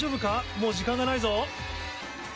もう時間がないぞ。